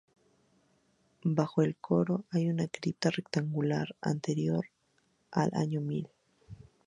Bajo el coro hay una cripta rectangular anterior al año mil.